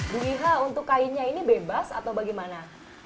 bu iha untuk kainnya ini bebas atau bagaimana